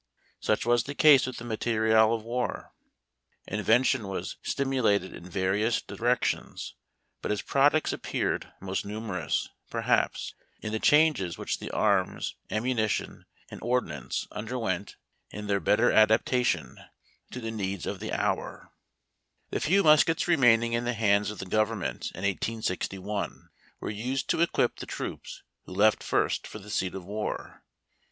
Such was the case with the materials of warfare. Invention was stimu lated in various directions, but its products appeared most numerous, perhaps, in the changes which the arms, ammuni tion, and ordnance underwent in their better adaptation to the needs of the hour. 269 270 HARD TACK AND COFFEE. The few muskets remaining in the hands of tlie govern ment in 1861 were used to equip the troops who left first for the seat of war.